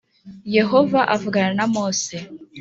Yehova avugana na Mose